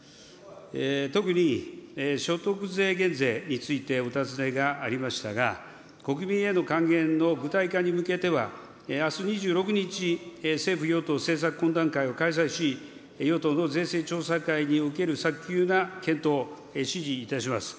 特に所得税減税について、お尋ねがありましたが、国民への還元の具体化に向けては、あす２６日、政府与党政策懇談会を開催し、与党の税制調査会における早急な検討、指示いたします。